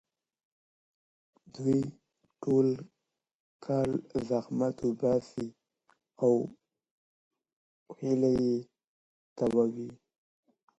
دوی ټول کال زحمت وباسي او خولې تویوي.